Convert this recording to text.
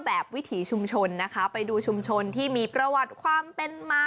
วิถีชุมชนนะคะไปดูชุมชนที่มีประวัติความเป็นมา